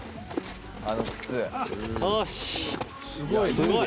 「すごい！」